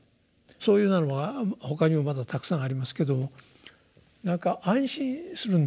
そういうようなのは他にもまだたくさんありますけど何か安心するんですよ。